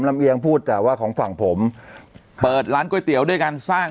เอียงพูดแต่ว่าของฝั่งผมเปิดร้านก๋วยเตี๋ยวด้วยการสร้าง